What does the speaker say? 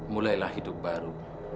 mulailah hidup baru